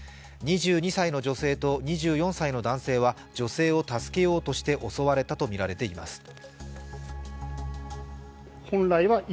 ２２歳の女性と２４歳の男性は女性を助けようとして襲われたとみられています。